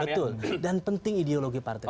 betul dan penting ideologi partai